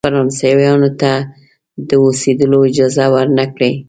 فرانسویانو ته د اوسېدلو اجازه ورنه کړی.